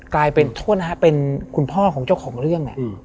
กลายเป็นโทษนะฮะเป็นคุณพ่อของเจ้าของเรื่อง